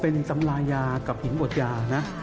เป็นตำรายากับหินบดยานะ